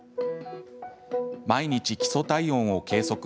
毎日、基礎体温を計測。